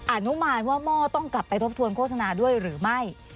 อนุมานว่าหม้อต้องกลับไปทบทวนโฆษณาด้วยหรือไม่